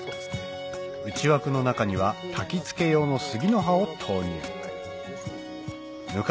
内枠の中にはたき付け用の杉の葉を投入ぬか